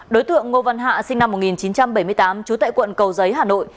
đối tượng ngô văn hạ sinh năm một nghìn chín trăm bảy mươi tám trú tại quận cầu giấy hà nội